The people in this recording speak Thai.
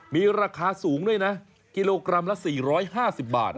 มีราคาสูงด้วยนะกิโลกรัมละ๔๕๐บาท